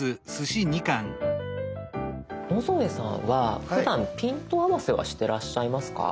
野添さんはふだんピント合わせはしてらっしゃいますか？